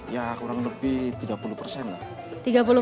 ya kurang lebih tiga puluh persen lah